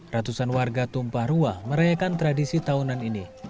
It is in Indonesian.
ratusan warga tumpah ruah merayakan tradisi tahunan ini